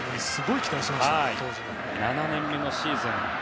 ７年目のシーズン。